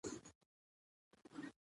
خلک د مشورې له لارې غوره پرېکړې کوي